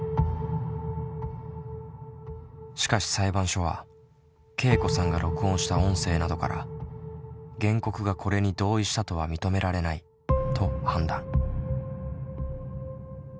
しかし裁判所はけいこさんが録音した音声などから原告がこれに同意したとは認められないと判断。